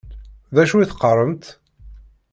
D acu i teqqaṛemt?